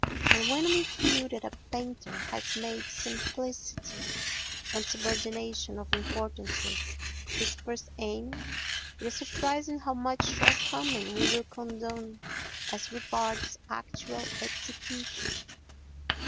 For when we feel that a painter has made simplicity and subordination of importances his first aim, it is surprising how much shortcoming we will condone as regards actual execution.